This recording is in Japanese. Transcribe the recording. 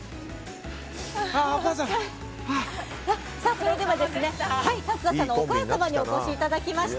それでは、竜田さんのお母様にお越しいただきました。